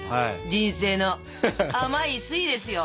人生の甘い酸いですよ！